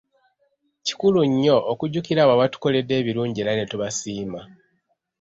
Kikulu nnyo okujjukira abo abatukoledde ebirungi era ne tubasiima.